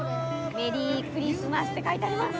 メリークリスマスって書いてあります。